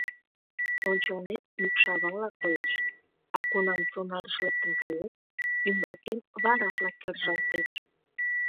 Ончылнет мӱкшавала коеш, а кунам сонарыш лектын кает, ӱмбакем варашла кержалтеш.